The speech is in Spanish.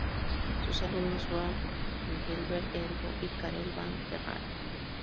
Sus alumnos fueron Engelbert Ergo y Carel van Ferrara.